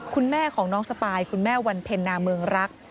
คุณแม่ของน้องสปายคุณแม่วันเพ็ญนาเมืองรัก